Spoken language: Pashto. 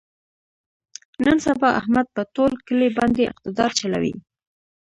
نن سبا احمد په ټول کلي باندې اقتدار چلوي.